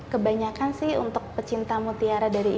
kebanyakan sih untuk pecinta mutiara dari